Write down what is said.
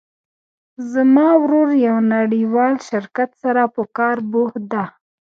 زما ورور د یو نړیوال شرکت سره په کار بوخت ده